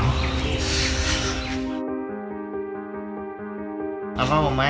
เอาพ่อผมมาให้หน่อย